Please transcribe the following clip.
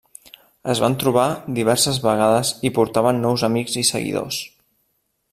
Es van trobar diverses vegades i portaven nous amics i seguidors.